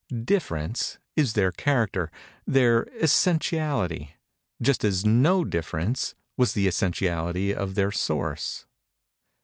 Difference is their character—their essentiality—just as no difference was the essentiality of their source.